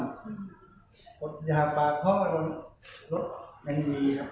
มีคนหวังดีอ่ะ